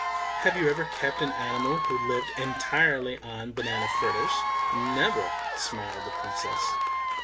Have you ever kept any animal who lived entirely on banana fritters?" "Never," smiled the Princess.